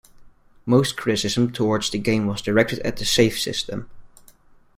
Most criticism toward the game was directed at the save system.